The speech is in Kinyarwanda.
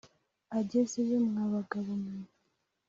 agezeyo mwa bagabo mwe,